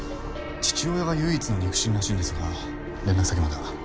父親が唯一の肉親らしいんですが連絡先までは。